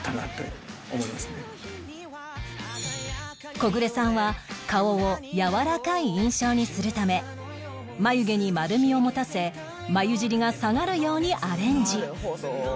コグレさんは顔をやわらかい印象にするため眉毛に丸みを持たせ眉尻が下がるようにアレンジ